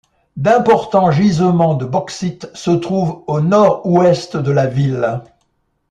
D'importants gisements de bauxite se trouvent au nord-ouest de la ville.